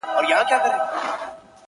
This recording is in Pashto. چي په هرځای کي مي وغواړی او سېږم-